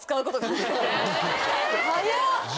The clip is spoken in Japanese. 早っ！